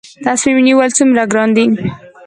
تصمیم نیول څومره ګران دي؟